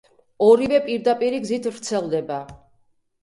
ორივე პირდაპირი გზით ვრცელდება.